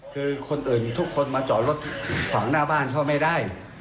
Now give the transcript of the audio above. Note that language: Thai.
คือคนอื่นทุกคนมาจอดรถขวางหน้าบ้านเขาไม่ได้